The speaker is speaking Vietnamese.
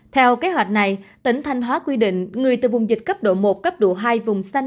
theo kế hoạch này tỉnh thanh hóa quy định người từ vùng dịch cấp độ một cấp độ hai vùng xanh